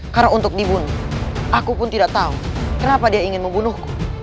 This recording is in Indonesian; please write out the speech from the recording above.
karena untuk dibunuh aku pun tidak tahu kenapa dia ingin membunuhku